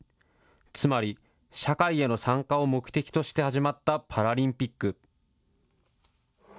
つまり、社会への参加を目的として始まったパラリンピック。